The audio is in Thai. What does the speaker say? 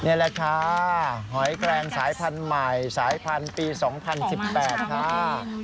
นี่แหละค่ะหอยแกรงสายพันธุ์ใหม่สายพันธุ์ปี๒๐๑๘ค่ะ